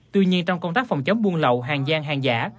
tuy nhiên trong công tác phòng chống buôn lậu hàng gian hàng giả